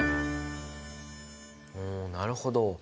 おなるほど。